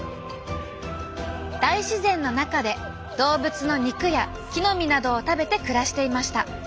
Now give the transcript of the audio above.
大自然の中で動物の肉や木の実などを食べて暮らしていました。